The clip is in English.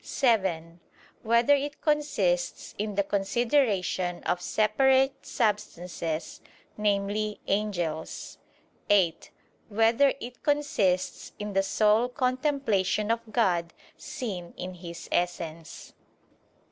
(7) Whether it consists in the consideration of separate substances viz. angels? (8) Whether it consists in the sole contemplation of God seen in His Essence?